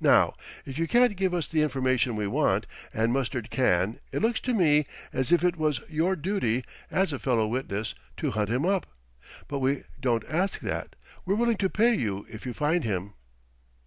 Now, if you can't give us the information we want, and Mustard can, it looks to me as if it was your duty, as a fellow witness, to hunt him up. But we don't ask that. We're willing to pay you if you find him."